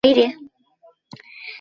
আমি চললাম, সালি।